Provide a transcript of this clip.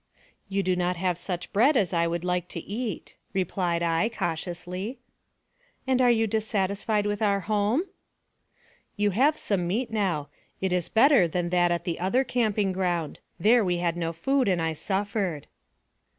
" You do not have such bread as I would like to eat," replied I, cautiously. "And are you dissatisfied with our home?" "You have some meat now; it is better than that at 132 NARRATIVE OF CAPTIVITY the other camping ground. There we had no food, and I suffered."